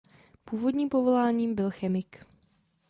Původním povoláním byl chemik.